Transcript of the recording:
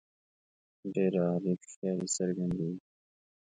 ډېره عالي هوښیاري څرګندیږي.